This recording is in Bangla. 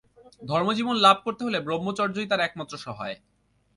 ধর্মজীবন লাভ করতে হলে ব্রহ্মচর্যই তার একমাত্র সহায়।